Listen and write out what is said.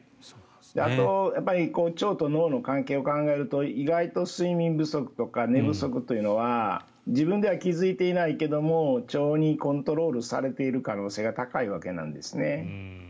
あと、腸と脳の関係を考えると意外と睡眠不足とか寝不足というのは自分では気付いていないけれども腸にコントロールされている可能性が高いわけなんですね。